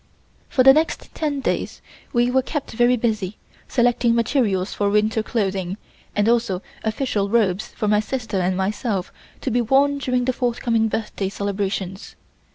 For the next ten days we were kept very busy selecting materials for winter clothing and also official robes for my sister and myself to be worn during the forthcoming birthday celebrations.